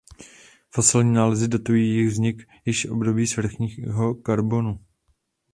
Fosilní nálezy datují jejich vznik již v období svrchního karbonu.